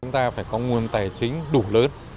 chúng ta phải có nguồn tài chính đủ lớn